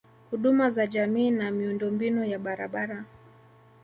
Huduma za jamii na Miundombinu ya barabara